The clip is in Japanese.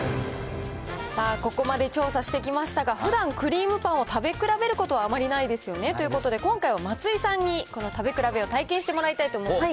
さあ、ここまで調査してきましたが、ふだんクリームパンを食べ比べることはあまりないですよね、ということで、今回は松井さんにこの食べ比べを体験してもらいたいと思います。